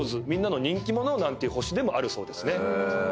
みんなの人気者なんていう星でもあるそうですね。